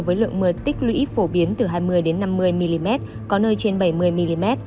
với lượng mưa tích lũy phổ biến từ hai mươi năm mươi mm có nơi trên bảy mươi mm